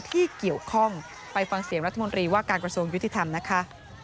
ที่เกี่ยวข้องไปฟังเสียงรัฐมนตรีว่าการกระทรวงยุติธรรมนะคะ